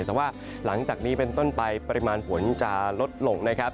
แต่ว่าหลังจากนี้เป็นต้นไปปริมาณฝนจะลดลงนะครับ